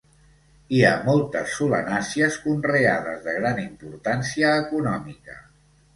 Hi ha moltes solanàcies conreades de gran importància econòmica.